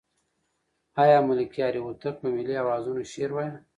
آیا ملکیار هوتک په ملي اوزانو شعر وایه؟